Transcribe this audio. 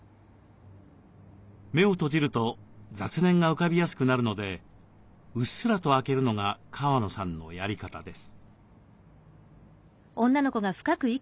目を閉じると雑念が浮かびやすくなるのでうっすらと開けるのが川野さんのやり方です。